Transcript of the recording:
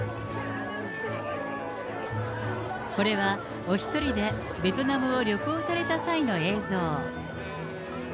これはお一人でベトナムを旅行された際の映像。